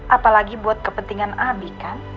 apalagi buat kepentingan adik kan